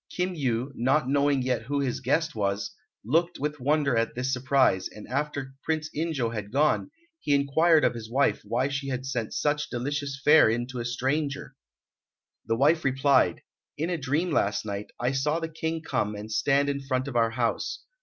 Kim Yu, not knowing yet who his guest was, looked with wonder at this surprise, and after Prince In jo had gone, he inquired of his wife why she had sent such delicious fare in to a stranger. The wife replied, "In a dream last night, I saw the King come and stand in front of our house.